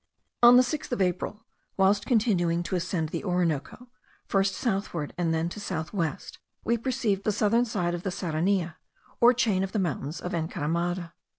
On the 6th of April, whilst continuing to ascend the Orinoco, first southward and then to south west, we perceived the southern side of the Serrania, or chain of the mountains of Encaramada.